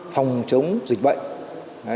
phòng chống dịch bệnh